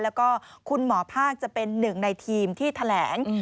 แล้วก็คุณหมอภาคจะเป็นหนึ่งในทีมที่แถลง